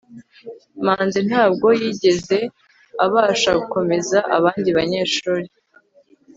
manzi ntabwo yigeze abasha gukomeza abandi banyeshuri